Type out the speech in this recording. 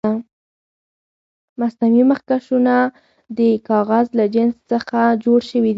مصنوعي مخکشونه د کاغذ له جنس څخه جوړ شوي دي.